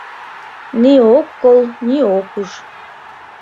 Ни ок кол, ни ок уж.